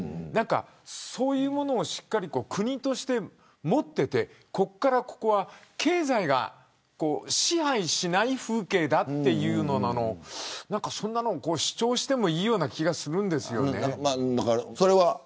そういうものを国として持っていてここからここは経済が支配しない風景だっていうのをそんなことを主張してもいい気がするんですよね。